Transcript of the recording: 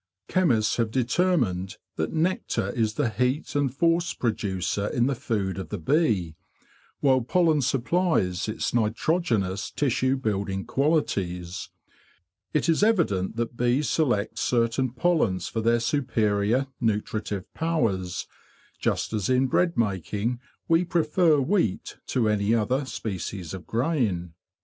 Chemists have determined that nectar is the heat and force producer in the food of the bee, while pollen supplies its nitrogenous tissue building qualities. It is evident that bees select certain pollens for their superior nutritive powers, just as in bread making we prefer wheat to any other species of grain.